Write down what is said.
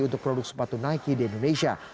untuk produk sepatu nike di indonesia